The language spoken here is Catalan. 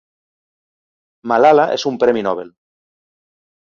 Malala és un Premi Nobel.